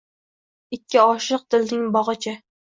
Ikki oshiq dilning bogʼichi.